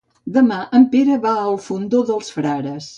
Demà en Pere va al Fondó dels Frares.